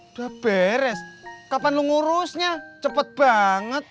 udah beres kapan lu ngurusnya cepet banget